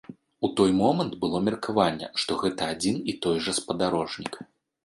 У той момант было меркаванне, што гэта адзін і той жа спадарожнік.